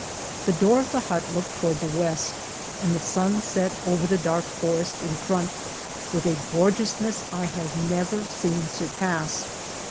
The door of the hut looked to ward the west, and the sun set over the dark forest in front with a gorgeousness I have never seen surpassed.